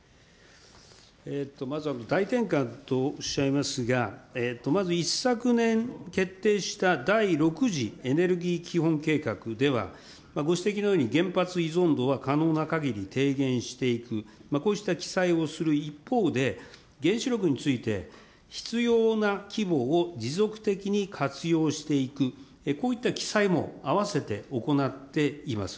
まずは大転換とおっしゃいますが、まず一昨年、決定した第６次エネルギー基本計画では、ご指摘のように原発依存度は可能なかぎり低減していく、こうした記載をする一方で、原子力について、必要な規模を持続的に活用していく、こういった記載もあわせて行っています。